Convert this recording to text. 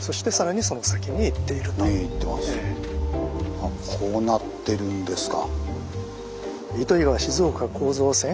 あこうなってるんですか。